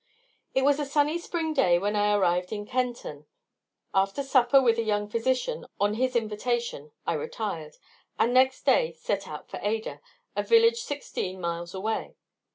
_ It was a sunny spring day when I arrived in Kenton. After supper with a young physician, on his invitation, I retired, and next day set out for Ada, a village sixteen miles away.